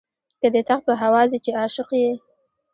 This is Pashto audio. که دي تخت په هوا ځي چې عاشق یې.